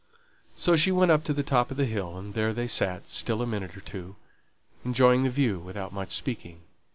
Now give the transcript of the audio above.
So she went up to the top of the hill; and there they sate still a minute or two, enjoying the view, without much speaking.